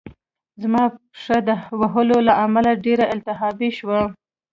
زما پښه د وهلو له امله ډېره التهابي شوه